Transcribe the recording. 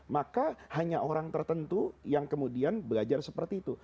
maka hanya orang tertentu yang kemudian belajar seperti itu